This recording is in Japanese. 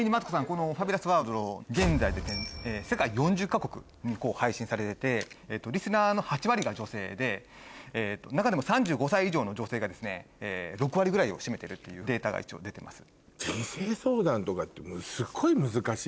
この『ファビュラスワールド』現在世界４０か国に配信されててリスナーの８割が女性で中でも３５歳以上の女性が６割ぐらいを占めてるっていうデータが一応出てます。